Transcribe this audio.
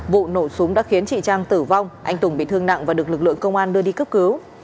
vụ nổ súng đã khiến chị trang tử vong anh tùng bị thương nặng và được lực lượng công an đưa đi cấp cứu